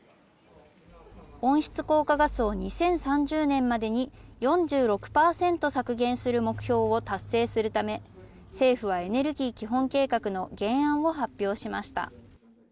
温室効果ガスを２０３０年までに４６％削減する目標を達成するため、政府はエネルギー基本計画の原案を発表しました。